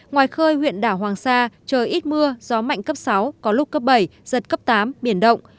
ngoài khơi huyện đảo hoàng sa trời ít mưa gió mạnh cấp sáu có lúc cấp bảy giật cấp tám biển động